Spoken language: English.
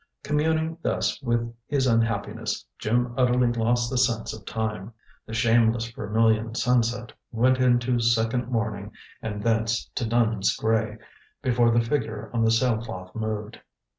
Communing thus with his unhappiness, Jim utterly lost the sense of time. The shameless vermilion sunset went into second mourning and thence to nun's gray, before the figure on the sail cloth moved.